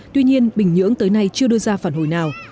tuy nhiên bình nhưỡng tới nay chưa đưa ra phản hồi nào